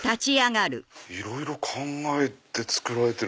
いろいろ考えて作られてる。